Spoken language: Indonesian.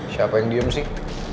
siapa yang diem sih